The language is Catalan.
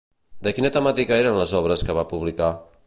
De quina temàtica eren les obres que va publicar?